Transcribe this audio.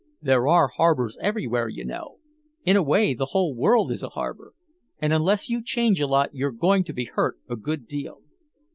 There are harbors everywhere, you know in a way the whole world is a harbor and unless you change a lot you're going to be hurt a good deal."